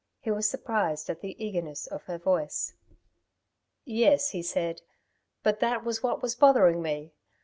He was surprised at the eagerness of her voice. "Yes," he said, "but that was what was bothering me.